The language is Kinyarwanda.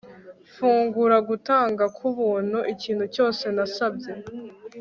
fungura gutanga kubuntu ikintu cyose nasabye